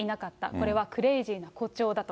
これはクレイジーな誇張だと。